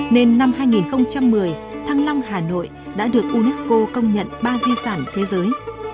nên năm hai nghìn một mươi thăng long hà nội đã được unesco công nhận ba di sản thế giới